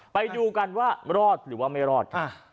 ไปดูกันว่ารอดหรือว่าไม่รอด